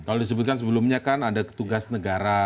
kalau disebutkan sebelumnya kan ada tugas negara